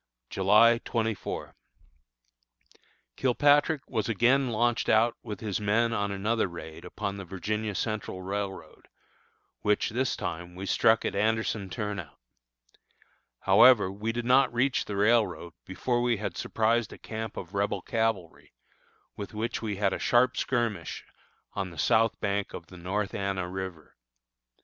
July 24. Kilpatrick was again launched out with his men on another raid upon the Virginia Central Railroad, which, this time, we struck at Anderson Turnout. However, we did not reach the railroad before we had surprised a camp of Rebel cavalry, with which we had a sharp skirmish on the south bank of the North Anna River.